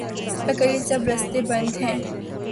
اگریہ سب راستے بند ہیں۔